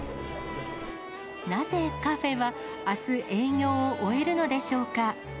なぜカフェはあす、営業を終えるのでしょうか。